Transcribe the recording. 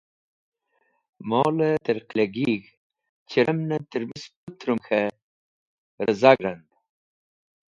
Molẽ tẽr qilagig̃h chẽremnẽn t̃ermis putrum k̃hẽ rẽz̃ag rand.